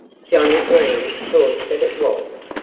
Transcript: Johnnie Green thought that it was.